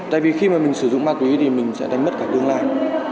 tại vì khi mà mình sử dụng ma túy thì mình sẽ đánh mất cả tương lai